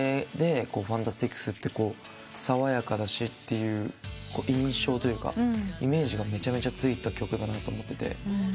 ＦＡＮＴＡＳＴＩＣＳって爽やかという印象というかイメージがめちゃめちゃついた曲だなと思ってて。